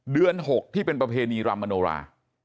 เดือน๖ที่เป็นประเพณีรำมโนรา